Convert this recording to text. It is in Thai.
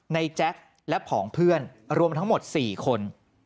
แจ็คและผองเพื่อนรวมทั้งหมด๔คน